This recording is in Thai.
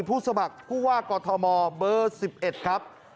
ผู้สมัครผู้ว่ากอทมเบอร์๑๑ครับ